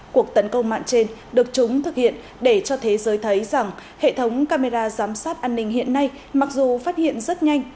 cuộc tấn công mạng trên được chúng thực hiện để cho thế giới thấy rằng hệ thống camera giám sát an ninh hiện nay mặc dù phát hiện rất nhanh